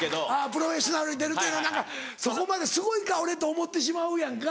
『プロフェッショナル』に出るというのは何か「そこまですごいか俺」と思ってしまうやんか。